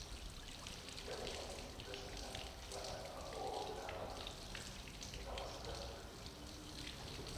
Egun batetik bestera, lana eta ohorea galdu zituen eta baztertu egin zuten.